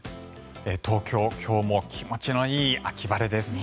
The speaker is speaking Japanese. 東京、今日も気持ちのいい秋晴れです。